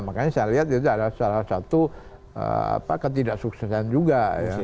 makanya saya lihat itu adalah salah satu ketidaksuksesan juga